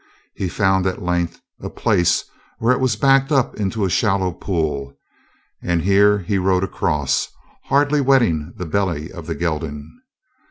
He found, at length, a place where it was backed up into a shallow pool, and here he rode across, hardly wetting the belly of the gelding.